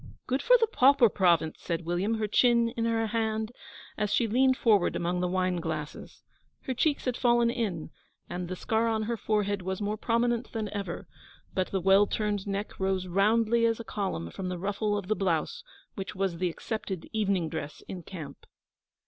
'Good for the Pauper Province!' said William, her chin in her hand, as she leaned forward among the wine glasses. Her cheeks had fallen in, and the scar on her forehead was more prominent than ever, but the well turned neck rose roundly as a column from the ruffle of the blouse which was the accepted evening dress in camp.